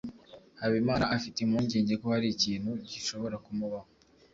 habimana afite impungenge ko hari ikintu gishobora kumubaho